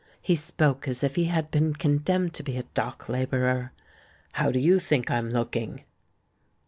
He spoke as if he had been condemned to be a dock labourer. "How do you think I'm looking?"